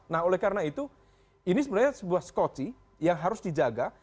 nah oleh karena itu ini sebenarnya sebuah skoci yang harus dijaga